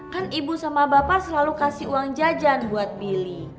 kan ibu sama bapak selalu kasih uang jajan buat billy